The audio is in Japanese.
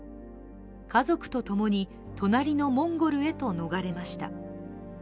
家族とともに、隣のモンゴルへと逃れました。